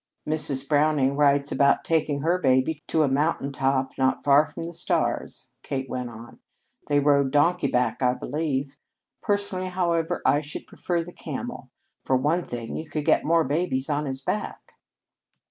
"Mrs. Browning writes about taking her baby to a mountain top not far from the stars," Kate went on. "They rode donkey back, I believe. Personally, however, I should prefer the camel. For one thing, you could get more babies on his back."